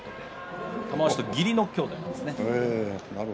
玉鷲は義理の兄弟ですね。